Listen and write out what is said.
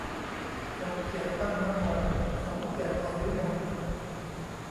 สมเกียรติ ตั้งนโม สมเกียรติ อ่อนวิมล